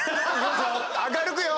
明るくよ！